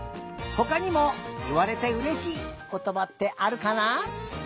ほかにもいわれてうれしいことばってあるかな？